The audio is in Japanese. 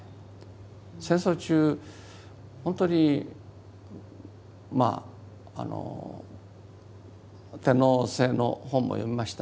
戦争中本当にまあ天皇制の本も読みました。